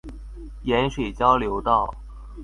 鹽水交流道